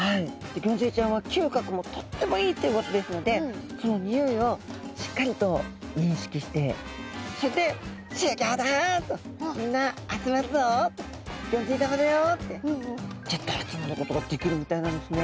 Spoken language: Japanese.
ギョンズイちゃんは嗅覚もとってもいいということですのでそのにおいをしっかりと認識してそれで「集合だ」と「みんな集まるぞ」と「ギョンズイ玉だよ」ってギュッと集まることができるみたいなんですね。